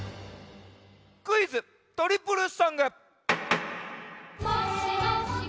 クイズ・トリプルソング！